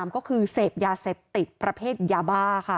ก็คือเสพยาเสพติดประเภทยาบ้าค่ะ